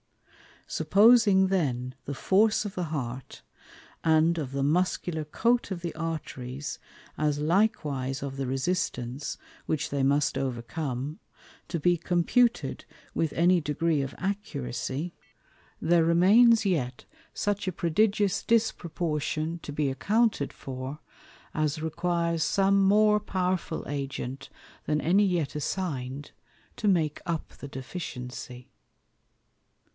Supposing then the force of the Heart, and of the Muscular Coat of the Arteries, as likewise of the resistance, which they must overcome, to be computed with any degree of accuracy, there remains yet such a prodigious disproportion to be accounted for, as requires some more powerful Agent, than any yet assign'd, to make up the deficiency.